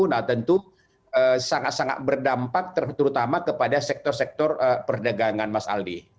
nah tentu sangat sangat berdampak terutama kepada sektor sektor perdagangan mas aldi